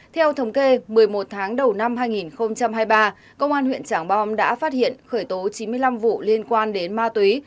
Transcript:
theo thống kê một mươi một tháng đầu năm hai nghìn hai mươi ba công an huyện trảng bom đã phát hiện khởi tố chín mươi năm vụ liên quan đến ma túy